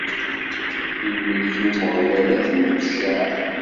Lmelk n Umeɣlal ad ten-iqecceɛ!